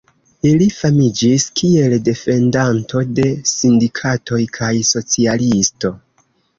Li famiĝis kiel defendanto de sindikatoj kaj socialisto.